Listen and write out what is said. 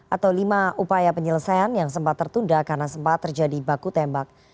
atau lima upaya penyelesaian yang sempat tertunda karena sempat terjadi baku tembak